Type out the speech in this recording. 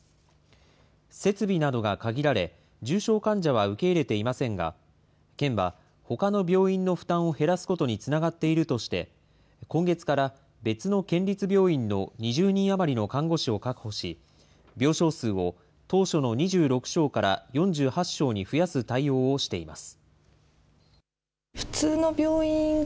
設備などが限られ、重症患者は受け入れていませんが、県はほかの病院の負担を減らすことにつながっているとして、今月から、別の県立病院の２０人余りの看護師を確保し、病床数を当初の２６床から４８床に増やす対応をしています。